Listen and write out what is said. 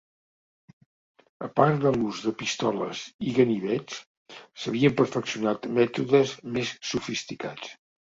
Apart de l"ús de pistoles i ganivets, s"havien perfeccionat mètodes més sofisticats.